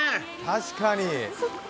確かに。